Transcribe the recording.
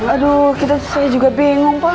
aduh kita saya juga bingung pak